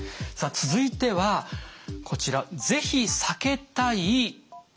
さあ続いてはこちら「ぜひ避けたい」